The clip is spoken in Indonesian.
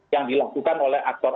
yang dilakukan oleh aktor